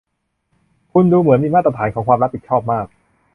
คุณดูเหมือนมีมาตรฐานของความรับผิดชอบมาก